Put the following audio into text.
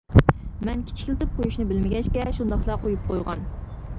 مەن كىچىكلىتىپ قويۇشنى بىلمىگەچكە شۇنداقلا قويۇپ قويغان.